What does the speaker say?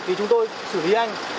thì chúng tôi xử lý anh